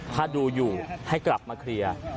ถ้าดูอยู่ให้กลับมาเคลียร์